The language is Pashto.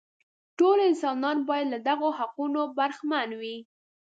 ټول انسانان باید له دغو حقونو برخمن وي.